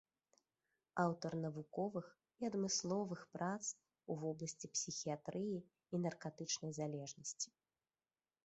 Аўтар навуковых і адмысловых прац у вобласці псіхіятрыі і наркатычнай залежнасці.